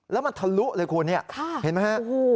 แล้วมันทะลุเลยคุณเนี่ยเห็นไหมฮะ